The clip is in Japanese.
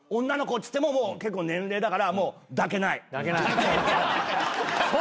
女の子っつっても結構年齢だからもう抱けない。